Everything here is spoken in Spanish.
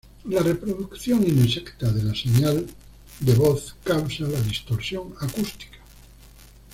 La reproducción inexacta de la señal de de voz causa la distorsión acústica.